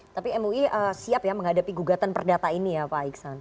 tapi mui siap ya menghadapi gugatan perdata ini ya pak iksan